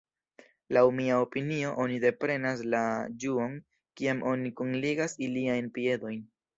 Laŭ mia opinio, oni deprenas la ĝuon kiam oni kunligas iliajn piedojn.